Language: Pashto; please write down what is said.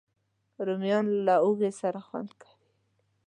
رومیان له هوږې سره خوند کوي